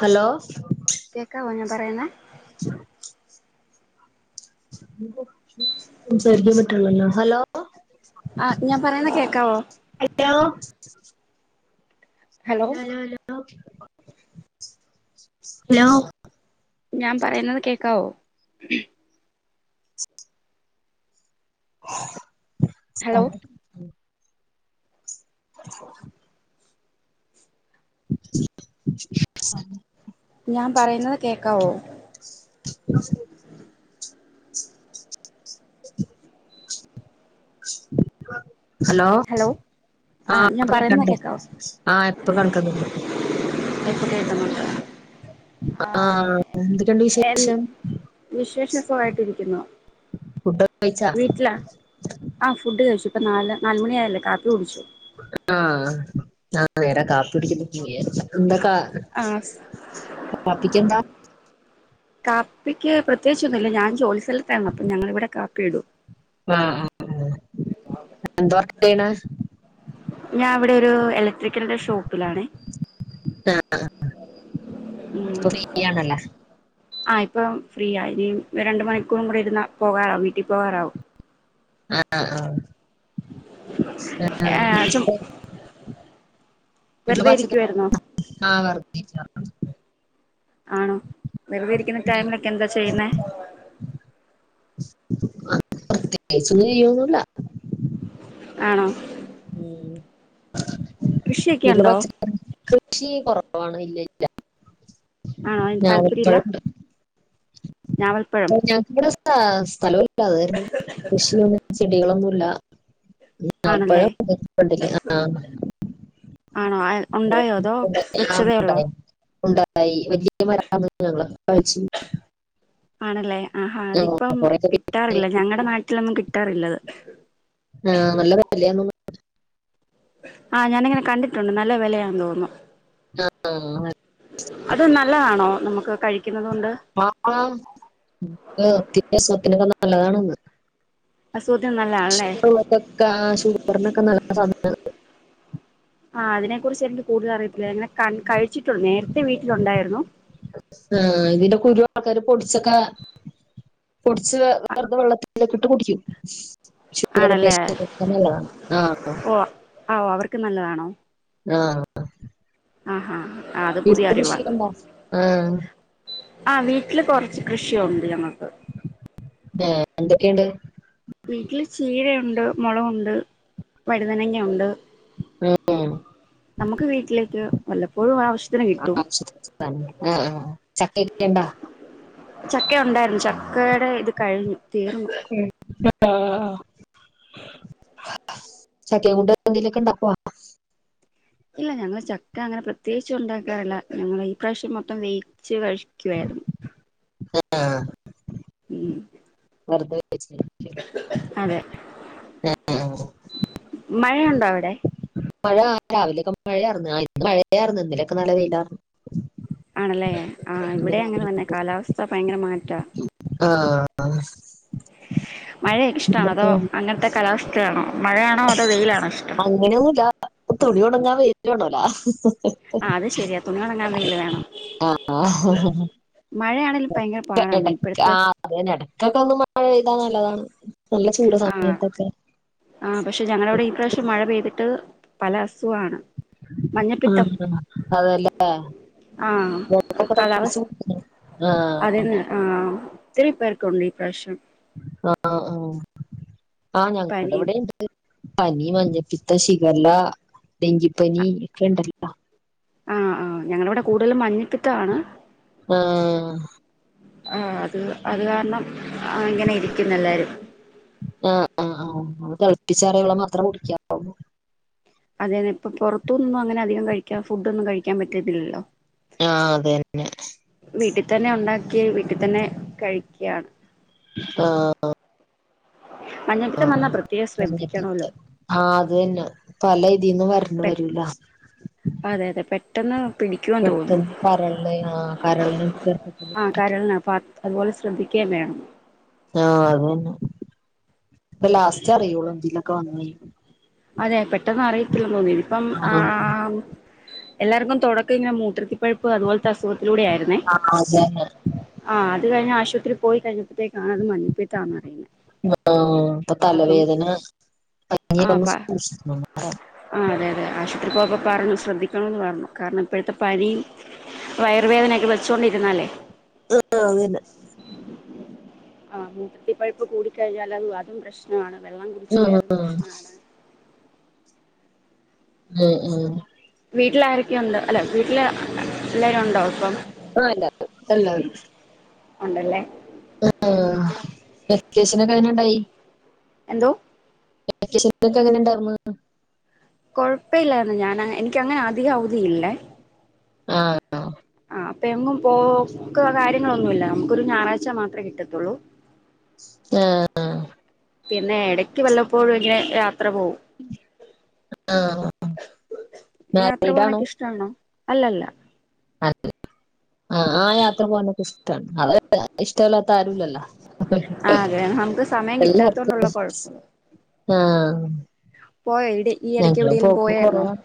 Hello കേക്കാവോഞാൻ പറയുന്നേ hello ആഹ് ഞാൻ പറയ്ണെ കേക്കാവോ? ഹലോ ഹലോ ലോ ലോ ഹലോ. ഞാൻ പറയുന്നത് കേക്കാവോ? ഹലോ [unintelligible] ആ [inaudible] ഞാൻ പറയുന്നത് കേൾക്കാവോ? ഉ ശ [inaudible] ഹലോ ആ ആഹ് ഞാൻ ഇപ്പം പറയുന്ന കേക്ക്ണ്ട് കേക്കാവോ ആഹ് ഇപ്പ കൺക്കണ് ണ്ട്. ഇപ്പൊ കേക്കാ ആഹ് എന്തൊക്കുണ്ട് എ വിശേഷം? വിശേഷം സുഖമായിട്ടുരിക്കുന്നു ഫുഡ് കഴിച്ചാ വീട്ടിലാ ആഹ് ഫുഡ് കഴിച്ചു ഇപ്പ നല് നല് മണിയ ആയല്ലേ കാപ്പി കുടിച്ചു ആഹ് ആഹ് നേരാ കാപ്പികുടിക്കുന്ന [unintelligible] എന്തകാ ആഹ് സ് എന്താ കാപ്പിക്ക് പ്രത്യേകിച്ചൊന്നുല്ല ഞാൻ ജോലി സ്ഥലത്താണ് അപ്പം ഞങ്ങളൾ ഇവിടെ കാപ്പി ഇടും ആഹ് ആഹ് എന്താവർക്കയ്യ്ണ് ഞാൻ ഇവിടെ ഒരു എലക്ട്രിക്കലന്റെ ഷോപ്പിലാണ്. ഇപ്പൊ ഫ്രീയാണല്ലേ? ആഹ് ഇപ്പൊ ഫ്രീ ആ ഇനി രണ്ട് മണിക്കൂറും കൂടി ഇരുന്ന പോകാറാവും വീട്ടിപോവാറാവും. ആഹ് ആഹ് ആ ചും [unintelligible] വെറുതെ ഇരിക്കുവായിരുന്നോ? ആഹ് വെർതെഇരിക്കാ ആണോ വെറുതെ ഇരിക്കുന്ന ടൈമിലൊക്കെ എന്താ ചെയ്യുന്നെ അങ്ങനെ പ്രതേകിച്ച് ഒന്നും ചെയ്യൊന്നില്ല. ആണോ ഉം കൃഷിയൊക്കെ വീട്ടില് ഉണ്ടോ പച്ചക്കറി കൃഷി കൊറവാണ് ഇല്ലല്ല ല്ല ആണോ അതിന് താല്പര്യം ഇല്ല ഞാവൽപ്പഴോണ്ട് ഞാവൽപ്പഴം ഇവിടെ സ്ഥലോല്ല അത്കാരണം കൃഷിയൊന്നും ചെടികളൊന്നുല്ല ആണല്ലേ ഞാവൽപ്പഴംഒക്കെണ്ട് ഫ്രണ്ടില് ആഹ് ആഹ് ആണോ ആയ് ഉണ്ടായോ അതോ ആ വെച്ചതേ ഒള്ളോ? ഉണ്ടായി ഉണ്ടായി വല്ല്യ മരങ്ങ [unintelligible] ആണല്ലേ ആഹാ ആ അതിപ്പം കൊറേയൊക്കെ വിറ്റ് കിട്ടാറില്ല ഞങ്ങളുടെ നാട്ടിലൊന്നും കിട്ടാറില്ലത് ആഹ് നല്ല വെലയാന്ന്തോ ആഹ് ഞാനിങ്ങനെ കണ്ടിട്ടുണ്ട് നല്ല വെലയാണെന്ന് തോന്നുന്നു. തോന്നുന്നു. അത് നല്ലതാണോ നമുക്ക് കഴിക്കുന്നുന്നത് കൊണ്ട്? ആഹ് ആഹ് [unintelligible] അസുത്തിനൊക്കെ നല്ലതാണെന്ന്. അസുഖത്തിന് നല്ല ഷുഗറുള്ളോര്ക്കൊക്കെ ആ ഷുഗറിനൊക്കെ നല്ല സാധനാണ്. ആഹ് അതിനെ കുറിച്ച് എനിക്ക് കൂടുതൽ അറിയത്തില്ല അങ്ങനെ കഴിച്ചിട്ടുണ്ട് നേരത്തെ വീട്ടിലുണ്ടായിരുന്നു. ആഹ് ഇതിന്റെ കുരു ആൾക്കാര് പൊടിച്ചൊക്കെ പൊടിച്ച് വേ വെറുതെ വെള്ളത്തിക് ഇട്ട് കുടിക്കും ശുഗർ പേഷന്റിനൊക്ക നല്ലതാണ് ആഹ് ഉവ്വ ഓഹ് അവർക്ക് നല്ലതാണോ ആഹ് ആഹ് ആഹ് [unintelligible] എന്താ ആഹ് ആ വീട്ടില് കൊറച്ച് കൃഷിയൊണ്ട് ഞങ്ങക്ക് അതെയെ എന്തൊക്കെയുണ്ട് വീട്ടില് ചീരണ്ട്, മുളകുണ്ട്, വഴുതനങ്ങുണ്ട്. ഉം, നമുക്ക് വീട്ടിലേക്ക് വല്ലപ്പോഴും ആവശ്യത്തിന് കിട്ടും ആഹ് ആഹ് ചക്കയെക്കെ ഉണ്ടോ ചക്ക ഉണ്ടായിരുന്നു ചക്കയുടെ ഇത് കഴിഞ്ഞു തീർന്നു [unintelligible] ചക്കയും കൊണ്ട് എന്തങ്കിലുക്കെ ഉണ്ടാക്കുവോ ഇല്ല ഞങ്ങള ചക്ക അങ്ങനെ പ്രത്യേകിച്ച് ഉണ്ടാക്കാറില്ല ഞങ്ങള് ഈ പ്രാവശ്യം മൊത്തം വെയിച്ച് കഴി ക്കുവായിരുന്നു [unintelligible] ഉം വറത്തു വെച്ചെക്കന്ന് അതെ മഴയുണ്ടോ അവിടെ മഴ രാവിലെയൊക്കെ മഴയാർന്ന് ആ ഇന്ന് മഴയാർന്ന് ഇന്നലെയൊക്കെ നല്ല വെയിലാർ ന്ന് ആണല്ലേ ആ ഇവിടെ അങ്ങനെ തന്നെ കാലാവസ്ഥ ഭയങ്കര മാറ്റമാ ആഹ് ആഹ് മഴയെക്കെ ഇഷ്ടാണോ അതോ ഇന്നൊക്കെ അങ്ങനത്തെ കാലാവസ്ഥ ഇഷ്ടയാണോ മഴയാണോ അതോ വെയിലാണോഷ്ടം അങ്ങനൊന്നും ഇല്ല തുണി ഉണങ്ങാൻ വെയില് വേണല്ലോ ആ അത് ശരിയാ തുണിയുണങ്ങാൻ വെയില് ആഹ് മഴയാണെലും ഇട ആഹ് അതന്നെ ഇടയ്ക്കൊക്കെ ഒന്ന് മഴ പെയ്താ നല്ലതാണ് നല്ല ചൂട് സമയത്തൊക്കെ ആഹ് പക്ഷേ ഞങ്ങടെവിടെ ഈ പ്രാവശ്യം മഴ പെയ്തിട്ട് പല അസുഖണ് ആഹ് അതല്ലേ ആ വെള്ളമൊക്കെ തിളപ്പിച്ച് കുടിക്കണം ആഹ് ആഹ് ഒത്തിരി പേർക്ക് ഉണ്ട് ഇപ്രാവശ്യം ആഹ് ആഹ് ആഹ് ഞങ്ങടെ പനി അവിടെയും പനി മഞ്ഞപ്പിത്തം ഷികലാ ഡെങ്കിപ്പനി ഒക്കെ ഉണ്ടല്ലോ ആഹ് ആഹ് ഞങ്ങടെവിടെ കൂടുതലും മഞ്ഞപ്പിത്തമാണ് ആഹ് ആഹ് അത് അത് കാരണം അങ്ങനെ ഇരിക്കുന്ന് എല്ലാരും ആഹ് ആഹ് തിളപ്പിച്ചാറിയ വെള്ളം മാത്രം കുടിക്ക അതിനിപ്പോ പുറത്തുന്ന് ഒന്നും അങ്ങനെ അധികം കഴിക്കാൻ ഫുഡ് ഒന്നും കഴിക്കാൻ പറ്റത്തില്ലല്ലോ ആഹ് അതന്നെ വീട്ടിൽ തന്നെ ഉണ്ടാക്കി വീട്ടിൽ തന്നെ കഴിക്കയാണ് ആഹ് മഞ്ഞപ്പിത്തം വന്നാൽ പ്രത്യേകം ആഹ് ശ്രദ്ധിക്കണമല്ലോ ആ അതന്നെ പല ഇതിന്നും വരണ പെ വരൂലോ അതെ അതെ പെട്ടെന്ന് പിടിക്കുവെന്ന് തോന്നുന്നു [unintelligible] കരള് ആഹ് കരളിനകത്ത് [unintelligible] കരളിന്നാ അപ്പോ അതുപോലെ ശ്രദ്ധിക്കുകയും വേണം ആഹ് അതന്നെ ഇപ്പോ ലാസ്റ്റ് അറിയുള്ളൂ എന്തെങ്കിലുമൊക്കെ വന്ന് കഴിഞ്ഞാൽ അതെ പെട്ടെന്ന് അറിയത്തില്ലന്ന് തോന്നുന്നു ഇപ്പം ആഹ് എല്ലാർക്കും തുടക്കം ഇങ്ങനെ മൂത്രത്തിൽ പഴുപ്പ് അതുപോലത്തെ അസുഖത്തിലൂടെ ആയിരുന്നേ ആഹ് അതന്നെ ആഹ് അത് കഴിഞ്ഞ് ആശുപത്രി പോയി കഴിഞ്ഞപ്പോഴത്തേ ക്കാണ് മഞ്ഞപ്പിത്തം ആന്ന് അറിയുന്നേ ആഹ് ഇപ്പൊ അപ്പം തലവേദന ആഹ് [unintelligible] ആഹ് അതെ അതെ ആശുപത്രി പോയപ്പോ പറഞ്ഞു ശ്രദ്ധിക്കണന്ന് പറഞ്ഞു കാരണം ഇപ്പോഴത്തെ പനി വയറുവേദനയൊക്കെ വെച്ചോണ്ടിരുന്നല്ലേ ആ അന്നെ ആഹ് മുൃത്തിപ്പഴുപ്പ് കൂടിക്കഴിഞ്ഞാൽ അത് അതും പ്രശ്നമാണ് വെള്ളം കുടിച്ചില്ലേ ഉം അതും പ്രശ്നമാണ് ഉം ഉം വീട്ടിൽാരൊക്കെയുണ്ട് അല്ലെ വീട്ടില് എല്ലരും ഉണ്ടോ അപ്പം ആഹ അല്ല അല്ല ഉണ്ടല്ലേ ആ് നിശനൊക്കെ അതിനുണ്ടായി എന്തോ എക്കെ അങ്ങനെ ഉണ്ടായിമ്മ കുഴപ്പമ ഇില്ലായിന്ന് ഞാൻ എനിക്കങ്ങനെ അധികം അവധിയില്ലേ ആഹ ആ അപ്പ എങ്ങും പോക്ക കാര്യങ്ങളൊന്നുമില്ല നമുക്ക്ൊരു ഞായറാഴ്ച്ച മാത്രേ കിട്ടത്തുള്ളൂ ആഹ പിന്നെ ഇടക്ക് വല്ലപ്പോഴും ഇങ്ങനെ യാത്ര പോകവും ആഹ് യാത്ര മാരീഡാണോ പോാനൊക്കെ ഇഷ്ടമാണോ അല്ലല്ല അ ആ ആ യാത്ര പോവാനൊക്കെ ഇഷ്ടമാണ് അവരെ ഇഷ്ടമല്ലാത്ത ആരുല്ലല്ലോ ആ അതെ നമുക്ക് സമയം കിട്ടാത്തോണ്ടുള്ള എല്ലാർക്കും കുഴപ്പം ആഹ പോയോ ഇടെ ഈ ഇടയ്ക്ക് എവിടെയങ്കലും പോയായിരുന്നോ കൊറവാണ്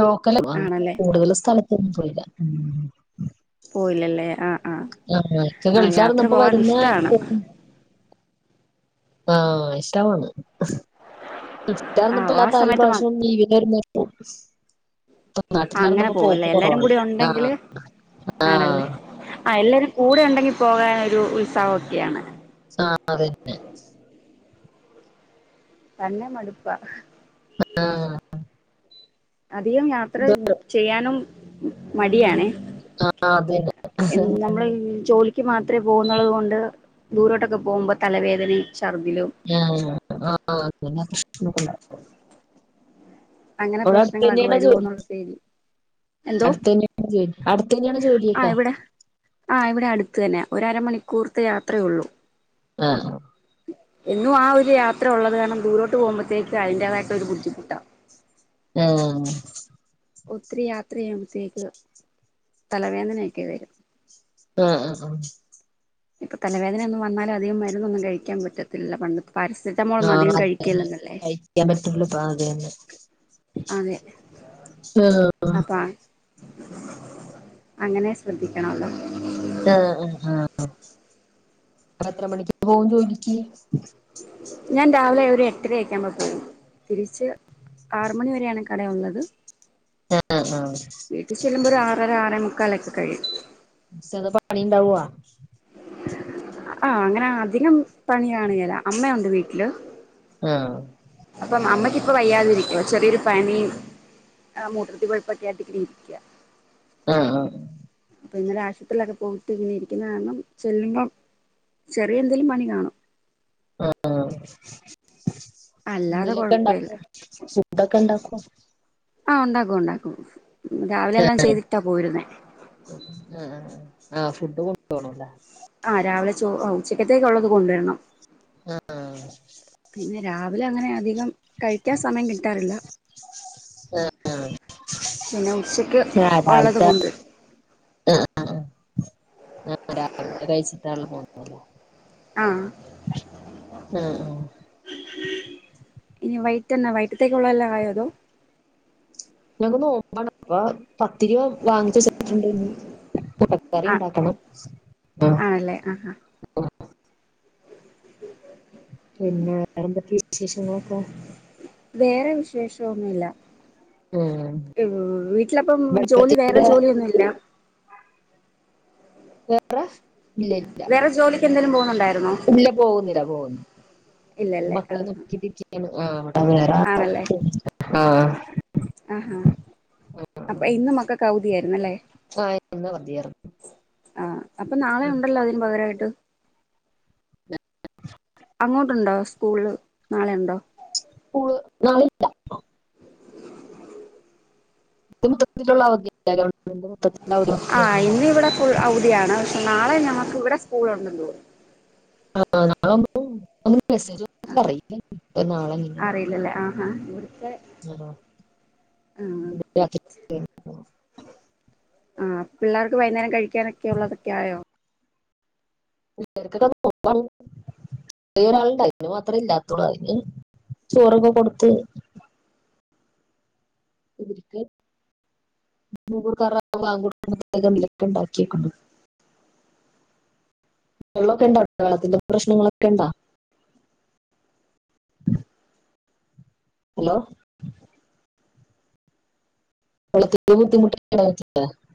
ലോക്കലും ആണല്ലേ കൂടുതലും സ്ഥലത്തന്നും പോയില്ല പോയില്ലല്ലേ ആഹ് ആഹ് ആഹ ഇക്കെ ആഹ് യാത്ര കളിച്ചർന്നപ്പ പോവാൻ വരുന്ന ഇഷ്ടാണ് ആഹ ഇഷ്ടാണ് ആഹ് ഇന്നപ്പോ ആ തല് സമയത്ത് മാ ഭാഷയും ജീവിന വും ആ അങ്ങനെ പോകല്ലേ എല്ലാരും കൂടി ഉണ്ടെങ്കിൽ ആ ആണല്ലേ ആ എല്ലാരും കൂടെ ഉണ്ടെങ്കിൽ പോകൻ ഒരു ഉത്സാഹംൊക്കെയാണ് സാറന്നെ തന്നെ മടുപ്പാ ആഹ അധികം യാത്ര ചെയ്യാനും മടിയണേ ആ അതന്നെ എ നമ്മള് ജോലി ക്ക് മാത്രമേ പോകുന്നുുള്ളത കൊൊണ്ട് ദൂരോട്ടൊക്കെ പോകുമ്പോ തലവേദനയും ഛർദിലും ആഹ ആ അ അങ്ങനെ പ്രശ്നങ്ങളൊക്കെ വരുവോ എന്നുള്ള പേരില് അടുത്ത തന്നെയാണ്ോ അടുത്ത തന്നെയാണ് ജോലിയക്കാ ആ ഇവിടെ അടുത്ത തന്നെ ഒരമണിക്കൂർത്തെ യാത്രയേ ഉള്ളൂ ആഹ എന്നും ആ ഒരു യാത്ര ഉള്ളത് കാരണം ദൂരോട്ട് പോകുമ്പോത്തേക്ക് അതിന്റേതായിട്ടൊ ഒരു ബുദ്ധിമുട്ടാണ് ആഹ ഒത്തിരി യാത്ര ചെയ്യുമ്പോഴത്തേക്ക് തലവേദനൊക്കെ വരും ആഹ ആ ആ ഇപ്പൊ തലവേദന ഒന്നും വന്നാലും അധികം മരുന്നൊന്നും കഴിക്കാൻ പറ്റത്തില്ല പണ്ടത്തെ ആഹ അത തന്നെ കഴക്കാൻ പറ്റുള്ളൂ പ അത തന്നെ ആഹ അപ്പൾ അങ്ങനെ ശ്രദ്ധിക്കണല്ലോ ആ ആ ആ എത്ര മണിക്ക് പോകും ജോലിക്ക് ഞാൻ രാവിലെ ഒരു എട്ടരയക്കാ്പോ പോയി തിരിച്ച് ആറ മണി വരെയാണ് കട ഉള്ളത് വീട്ടിൽ ചെല്ലുമ്പോ ഒരു ആറ് ഒ ആര മുക്കാലൊക്കെ കഴിയും പണി ഇണ്ടാവോ ആഹ അങ്ങനെ അധികം പണി കാണ്കേല അമ്മയുണ്ട് വീട്ടില് ആഹ അപ്പം അമ്മക്കിപ്പൊ വയ്യാതിരിക്കുവോ ചെറിയൊരു പനി ആ മൂത്രത്തിൽ പഴുപ്പൊക്കെ ആയിട്ട് ഇങ്ങനെ ഇരിക്ക ആഹ് ആഹ അപ്പൊ ഇന്നലെ ആശുപത്രിയിലൊക്കെ പോയിട്ട് ഇന്നെ ഇരിക്കുന്ന കാരണം ചെല്ലുമ്പോ ചെറിയ എന്തേലും പണി കാണും ആഹ് അല്ലാതെ എന്തെലൊക്കെ കൊഴപ്പല്ല ഉണ്ടാക്കുവ ഫുഡൊക്കെ ഇണ്ടാക്കോ ആ ഉണ്ടാക്കും ഉണ്ടാക്കും രാവിലെ എല്ലാം ആഹ് ചെയ്തിട്ടാ പോയിരുന്നെ ആഹ് ആഹ് ഫുഡ് കൊണ്ടു പോണല്ലേ ആഹ് രാവിലെ ചോ ഓ ഉച്ചക്കേത്തകക്ക് ഉള്ളത് കൊണ്ടുവരണം ആഹ പിന്നെ രാവിലെ അങ്ങനെ അധികം കഴിക്കാൻ സമയം കിട്ടാറില്ല പിന്നെ ഉച്ചക്ക് ഉള്ളത് രാവിലത്തെ കൊണ്ട് ആഹ് ആഹ് രാവിലെത്തെ കഴിച് ആ [unintelligible] ഇനി വൈട്ട് എന്നാ വൈട്ട്ത്തേക്കുള്ള എല്ലാം ആയോ അതോ ഞങ്ങക്ക് നോമ്പാണ് അപ്പ പത്തിരി വാങ്ങിച്ച വെച്ചിട്ടുണ്ട് ഇനി കറി ആ ഓ ഇണ്ടാക്കണം ആഹ് ആണല്ലേ ആ ആ പിന്നെ വേറെ എന്തൊക്കെ വിശേഷങ്ങളൊക്കെ വേറെ വിശേഷൊന്നുമില്ല ആഹ് വീട്ടിലപ്പം ജോലി വേറെ ജോലിയൊന്നും ഇല്ല വേറെ ഇല്ല ഇല്ല വേറെ ജോലിക്ക് എന്തേലും പോകുന്നുണ്ടായിരുന്നോ ഇല്ല പോകുന്നില്ല പോകുന്നില്ല ഇല്ലല്ലേ ആഹ ആഹ് ആഹ് ഇവിടെ വേറെ ആണല്ലേ ആഹ ആഹാ അപ്പൊ ഇന്ന് മക്കക്ക് അവുതി ആയിര്ന്നല്ലെ ആഹ ഇന്ന് അവധി ആർന്നു ആഹ് അപ്പൊ നാളെ ഉണ്ടല്ലോ അതിന് പകരമായിട്ട് അങ്ങോട്ടുണ്ടോ സ്കൂള് നാളെ ഉണ്ടോ സ്കൂള് നാളെ ഇല്ല [unintelligible] ആഹ് കൊടുത്തേക്കണെന്ന് ഇന്ന് പറഞ്ഞു. ഇവിടെ ഫുൾ ഔധിയാണ് പക്ഷെ നാളെ ഞമ്മുക്ക് ഇവിടെ സ്കൂൾ ഉണ്ട് തോന്ന് [unintelligible] [unintelligible] അറിയില്ലല്ലേ ആഹാ ഇവിടുത്തെ ആഹ് ആഹ് [unintelligible] ആഹ് പിള്ളേർക്ക് വൈന്നേരം കഴിക്കാനൊക്കെ ഉള്ളതൊക്കെ ആയോ [unintelligible] ഒരാളണ്ട് അതിന് മാത്രേ ഇല്ലാത്തുള്ളൂ അതിന് ചോറൊക്കെ കൊടുത്ത് [unintelligible] [unintelligible] വെള്ളത്തിന്റെ പ്രശ്നങ്ങളൊക്കെ ഉണ്ടാ ഹലോ [unintelligible]